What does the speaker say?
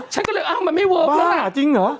จริงเหรอบ้าจริงเหรอ